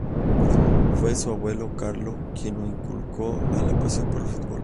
Fue su abuelo Carlo quien le inculcó la pasión por el fútbol.